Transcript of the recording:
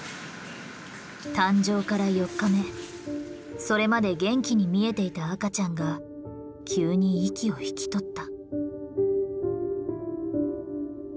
誕生から４日目それまで元気に見えていた赤ちゃんが急に息を引き取った。